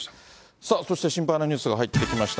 さあ、そして心配なニュースが入ってきました。